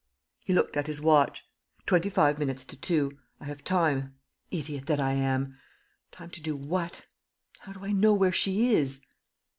..." He looked at his watch: "Twenty five minutes to two. ... I have time. ... Idiot that I am! Time to do what? How do I know where she is?"